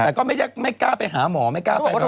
แต่ก็ไม่กล้าไปหาหมอไม่กล้าไปหรอก